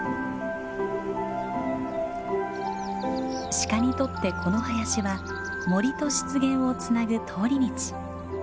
シカにとってこの林は森と湿原をつなぐ通り道。